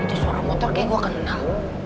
itu suara motor kayaknya gua kenal